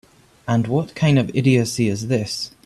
And what kind of idiocy is this?